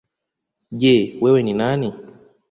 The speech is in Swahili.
Je! Wewe ni nani?